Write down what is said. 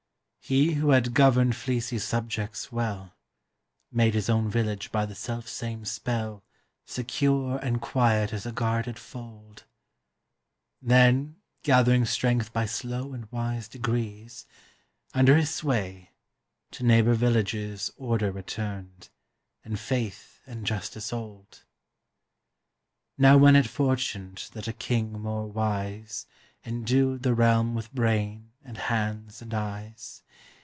He who had governed fleecy subjects well Made his own village by the selfsame spell Secure and quiet as a guarded fold ; Then, gathering strength by slow and wise degrees Under his sway, to neighbor villages Order returned, and faith and justice old. Now when it fortuned that a king more wise Endued the realm with brain and hands and eyes.